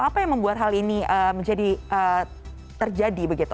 apa yang membuat hal ini menjadi terjadi begitu